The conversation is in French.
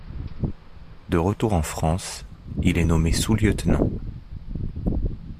De retour en France il est nommé sous-lieutenant.